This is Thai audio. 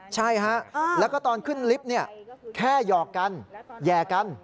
ใช่ฮะแล้วก็ตอนขึ้นลิฟต์แค่หยอกกันแหย่กัน